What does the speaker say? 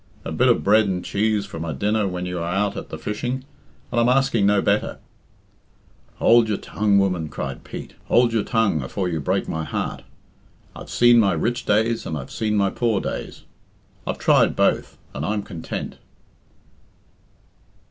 A bit of bread and cheese for my dinner when you are out at the fishing, and I'm asking no better " "Hould your tongue, woman," cried Pete. "Hould your tongue afore you break my heart I've seen my rich days and I've seen my poor days. I've tried both, and I'm content."